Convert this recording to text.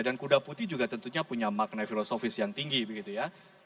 dan kuda putih juga tentunya punya makna filosofis yang tinggi begitu ya